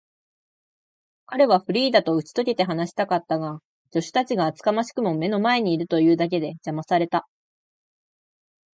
彼はフリーダとうちとけて話したかったが、助手たちが厚かましくも目の前にいるというだけで、じゃまされた。